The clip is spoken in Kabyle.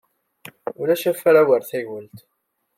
Ulac afara war taywelt.